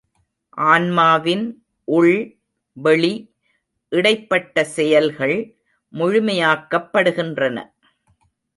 ஆன்மாவின் உள், வெளி, இடைப்பட்ட செயல்கள் முழுமையாக்கப்படுகின்றன.